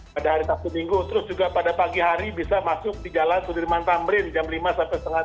pada hari sabtu minggu terus juga pada pagi hari bisa masuk di jalan sudirman tamrin jam lima sampai setengah